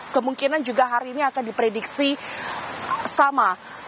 kemungkinan juga hari ini akan diprediksi sama